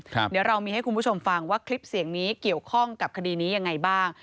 เดี๋ยวเรามีให้คุณผู้ชมฟังว่าคลิปเสียงนี้เกี่ยวข้องกับคดีนี้ยังไงบ้าง